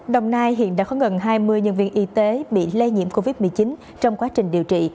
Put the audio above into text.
đồng nai hiện đã có gần hai mươi nhân viên y tế bị lây nhiễm covid một mươi chín trong quá trình điều trị